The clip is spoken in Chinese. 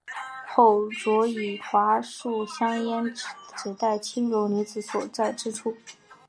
后遂以桦树香烟指代青楼女子所在之处。